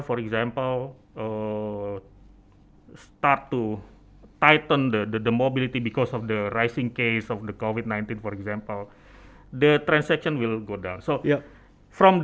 ketika pemerintah misalnya memulih mobilitas karena kesan risiko covid sembilan belas misalnya transaksi itu akan berkurang